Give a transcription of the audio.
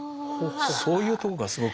そういうとこがすごく。